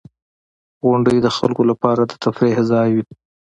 • غونډۍ د خلکو لپاره د تفریح ځای وي.